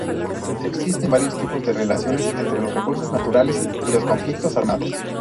Existen varios tipos de relaciones entre los recursos naturales y los conflictos armados.